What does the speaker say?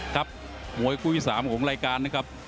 ครับมวยกุ้ยสามของรายการนะครับ